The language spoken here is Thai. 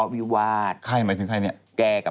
อย่าไม่เล่อะ